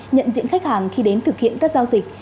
nhận diện khách hàng khi đến thực hiện các giao dịch